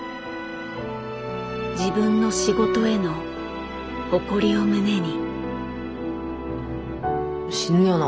自分の仕事への誇りを胸に。